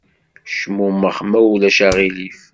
Cmumex ma ulac aɣilif!